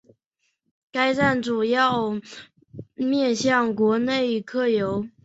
该站主要面向国内客流。